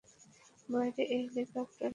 বাইরে ওই হেলিকপ্টারের আওয়াজ শুনতে পাচ্ছিস?